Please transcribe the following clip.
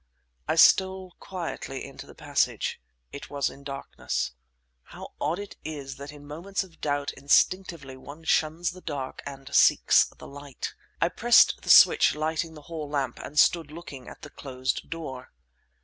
I stole quietly into the passage. It was in darkness. How odd it is that in moments of doubt instinctively one shuns the dark and seeks the light. I pressed the switch lighting the hall lamp, and stood looking at the closed door.